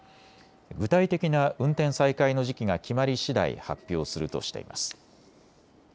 具体的な運転再開の時期が決まりしだい発表するとしています。